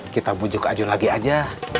kita bujuk ajun lagi aja